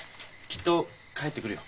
きっと帰ってくるよ。